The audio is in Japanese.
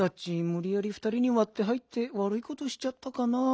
むりやりふたりにわって入ってわるいことしちゃったかな？